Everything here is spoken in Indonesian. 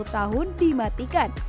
enam puluh tahun dimatikan